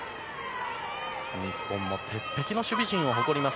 日本も鉄壁の守備陣を誇ります